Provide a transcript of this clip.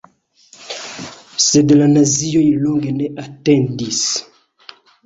Sed la nazioj longe ne atendis.